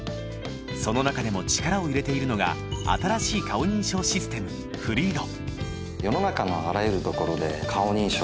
その中でも力を入れているのが新しい顔認証システムＦｒｅｅｉＤ